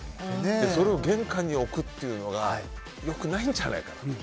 それを玄関に置くっていうのが良くないんじゃないかな。